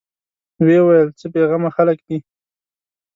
ويې ويل: څه بېغمه خلک دي.